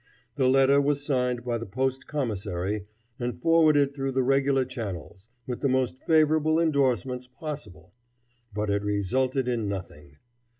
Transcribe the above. The letter was signed by the post commissary, and forwarded through the regular channels, with the most favorable indorsements possible, but it resulted in nothing.